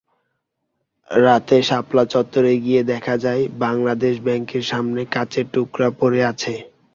রাতে শাপলা চত্বরে গিয়ে দেখা যায়, বাংলাদেশ ব্যাংকের সামনে কাচের টুকরা পড়ে আছে।